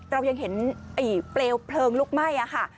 เรายังเห็นเปลวเพลิงลุกไหม้ค่ะ